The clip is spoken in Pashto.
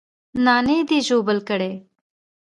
نانى دې ژوبل کړى.